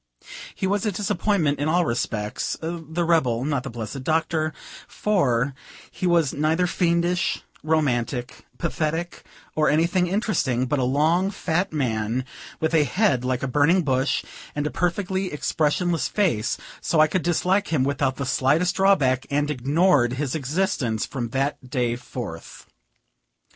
He was a disappointment in all respects, (the rebel, not the blessed Doctor,) for he was neither fiendish, romantic, pathetic, or anything interesting; but a long, fat man, with a head like a burning bush, and a perfectly expressionless face: so I could hate him without the slightest drawback, and ignored his existence from that day forth.